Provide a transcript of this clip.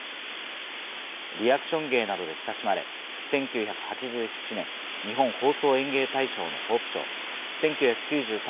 リアクション芸などで親しまれ、１９８７年、日本放送演芸大賞のホープ賞。